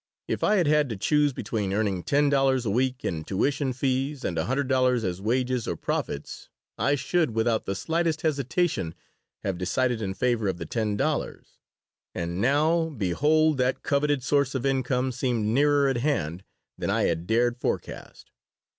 If I had had to choose between earning ten dollars a week in tuition fees and a hundred dollars as wages or profits I should, without the slightest hesitation, have decided in favor of the ten dollars, and now, behold! that coveted source of income seemed nearer at hand than I had dared forecast.